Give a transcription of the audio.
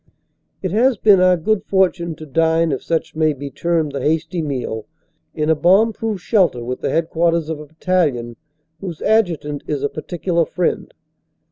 It has been our good fortune to dine if such may be termed the hasty meal in a bomb proof shelter with the head quarters of a battalion whose adjutant is a particular friend.